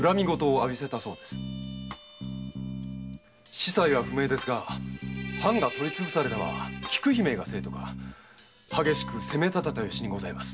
子細は不明ですが藩が取り潰されたは菊姫が所為とか激しく責めたてた由にございます。